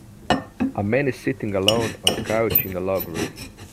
A man is sitting alone on a couch in a log room.